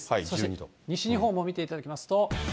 そして西日本も見ていただきますと。